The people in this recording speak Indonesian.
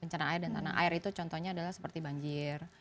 dan juga kalau kita lihat di indonesia itu contohnya adalah seperti banjir